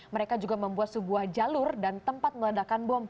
mereka juga membuat sebuah jalur dan tempat meledakan bom